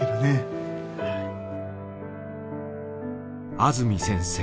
安積先生。